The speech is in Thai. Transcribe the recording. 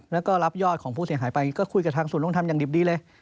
แล้วก็รับยอดของผู้เสียหายไปก็คุยกับทางศูนยงธรรมอย่างดิบดีเลย